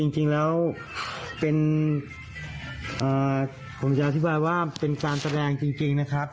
จริงแล้วผมจะอธิบายว่าเป็นการแสดงจริงนะครับ